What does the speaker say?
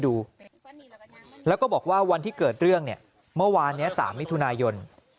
ดูแล้วก็บอกว่าวันที่เกิดเรื่องเนี่ยเมื่อวานนี้๓มิถุนายน